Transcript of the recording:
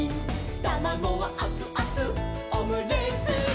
「たまごはあつあつオムレツに」